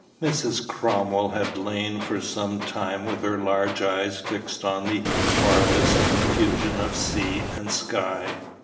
Mrs. Cromwell had lain for some time with her large eyes fixed on the farthest confusion of sea and sky.